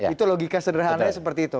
itu logika sederhananya seperti itu